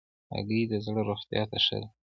هګۍ د زړه روغتیا ته ښه ده.